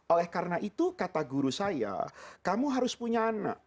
oleh karena itu kata guru saya kamu harus punya anak